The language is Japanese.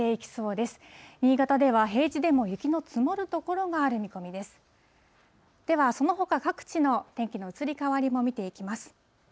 では、そのほか各地の天気の移り変わりも見ていきます。